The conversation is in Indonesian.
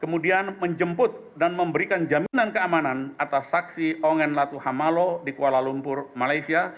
kemudian menjemput dan memberikan jaminan keamanan atas saksi ongen latuhamalo di kuala lumpur malaysia